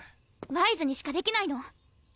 ワイズにしかできないの！